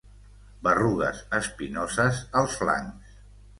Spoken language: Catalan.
Berrugues espinoses als flancs.